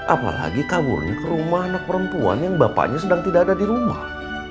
apalagi kaburnya ke rumah anak perempuan yang bapaknya sedang tidak ada di rumah